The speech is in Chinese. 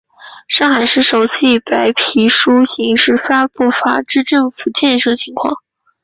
上海市首次以白皮书形式发布法治政府建设情况。